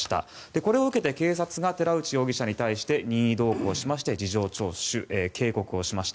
これを受けて警察が寺内容疑者に対して任意同行しまして、事情聴取警告をしました。